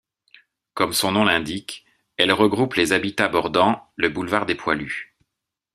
Comme son nom l'indique, elle regroupe les habitats bordant le boulevard des Poilus.